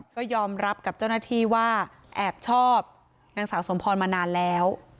ก็ยอมรับกับเจ้าหน้าที่ว่าแอบชอบนางสาวสมพรมานานแล้ว